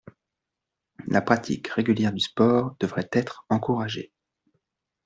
La pratique régulière du sport devrait être encouragée.